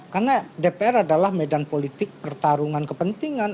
karena dpr adalah medan politik pertarungan kepentingan